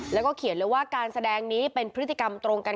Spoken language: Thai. แล้วก็เขียนเลยว่าการแสดงนี้เป็นพฤติกรรมตรงกัน